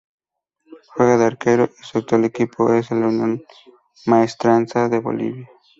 Juega de arquero y su actual equipo es el Unión Maestranza de Bolivia.